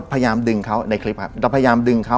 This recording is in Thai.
พยายามดึงเขาในคลิปครับเราพยายามดึงเขา